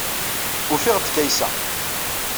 Ufiɣ-d Kaysa.